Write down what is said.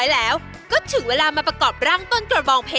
แล้วก็ข้างหน้าจะเป็นฟองดองค่ะ